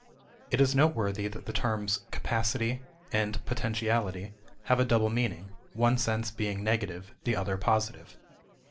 It is noteworthy that the terms "capacity" and "potentiality" have a double meaning, one sense being negative, the other positive.